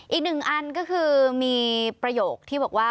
อีกหนึ่งอันก็คือมีประโยคที่บอกว่า